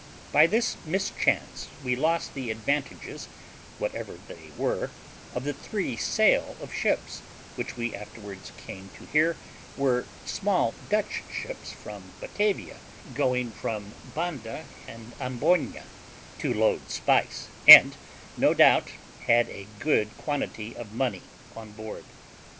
By this mischance we lost the advantages, whatever they were, of the three sail of ships, which we afterwards came to hear were small Dutch ships from Batavia, going to Banda and Amboyna, to load spice, and, no doubt, had a good quantity of money on board.